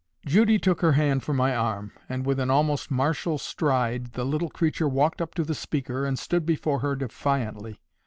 Judy took her hand from my arm, and with an almost martial stride the little creature walked up to the speaker, and stood before her defiantly.